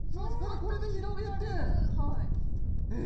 これで広げてえ